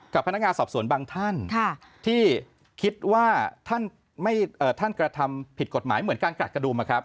พนักงานสอบสวนบางท่านที่คิดว่าท่านกระทำผิดกฎหมายเหมือนการกราดกระดุมนะครับ